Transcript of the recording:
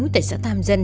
tại xã tham dân